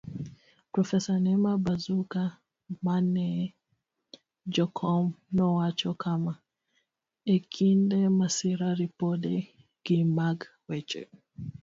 Profesa Nema Bazuka maneen jakom nowacho kama:E kinde masira, Ripode Gi mag weche.